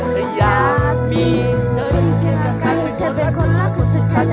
แต่อยากมีเธออยู่เกี่ยวกับใครให้เธอเป็นคนรักคนสุดท้าย